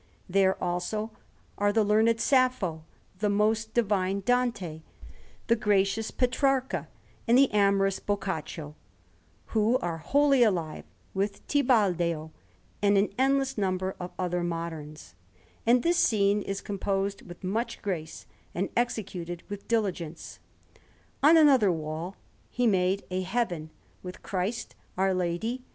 There, also, are the learned Sappho, the most divine Dante, the gracious Petrarca, and the amorous Boccaccio, who are wholly alive, with Tibaldeo, and an endless number of other moderns; and this scene is composed with much grace, and executed with diligence. On another wall he made a Heaven, with Christ, Our Lady, S.